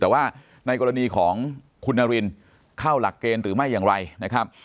แต่ว่าในกรณีของคุณนารินเข้าหลักเกณฑ์หรือไม่อย่างไรนะครับ